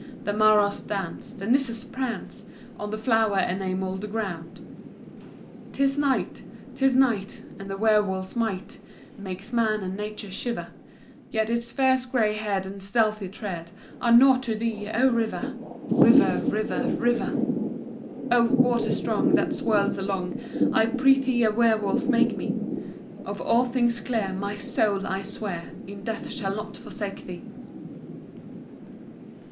The maras dance, the nisses prance On the flower enamelled ground. "'Tis night! 'tis night! and the werwolf's might Makes man and nature shiver. Yet its fierce grey head and stealthy tread Are nought to thee, oh river! River, river, river. "Oh water strong, that swirls along, I prithee a werwolf make me. Of all things dear, my soul, I swear, In death shall not forsake thee."